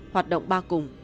hoạt động ba cùng